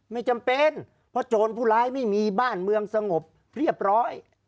ไม่จำเป็นเพราะโจรผู้ร้ายไม่มีบ้านเมืองสงบเรียบร้อย